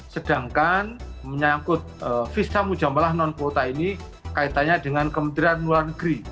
sedangkan menyangkut visa mujamalah non kuota ini kaitannya dengan kementerian luar negeri